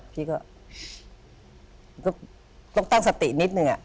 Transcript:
พี่ก็ต้องตั้งสตินิดนึง